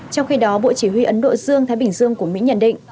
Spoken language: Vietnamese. trong khi đó bộ chỉ huy ấn độ dương thái bình dương của mỹ nhận định